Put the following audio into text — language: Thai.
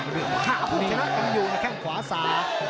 ผู้ชนะกันอยู่ในแข้งขวาสา